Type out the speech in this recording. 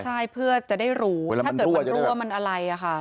ใช่เพื่อจะได้รู้ถ้าเกิดมันรั่วมันอะไรอะค่ะ